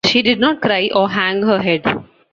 She did not cry or hang her head.